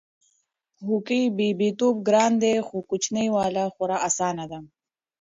هو کې! بيبيتوب ګران دی خو کچنۍ واله خورا اسانه ده